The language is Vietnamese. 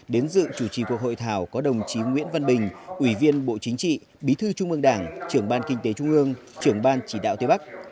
đến dự chủ trì cuộc hội thảo có đồng chí nguyễn văn bình ủy viên bộ chính trị bí thư trung ương đảng trưởng ban kinh tế trung ương trưởng ban chỉ đạo tây bắc